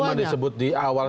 jadi cuma disebut di awal